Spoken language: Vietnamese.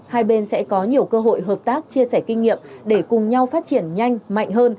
hai bên sẽ có nhiều cơ hội hợp tác chia sẻ kinh nghiệm để cùng nhau phát triển nhanh